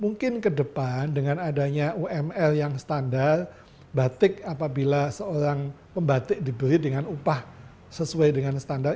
mungkin ke depan dengan adanya umr yang standar batik apabila seorang pembatik dibeli dengan upah sesuai dengan standar